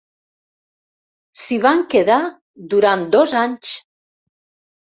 S'hi van quedar durant dos anys.